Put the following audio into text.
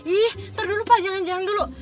ih ntar dulu pak jangan jangan dulu